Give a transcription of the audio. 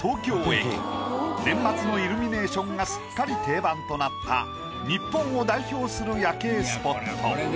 年末のイルミネーションがすっかり定番となった日本を代表する夜景スポット。